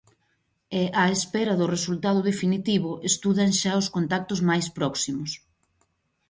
E, á espera do resultado definitivo, estudan xa os contactos máis próximos.